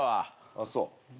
あっそう。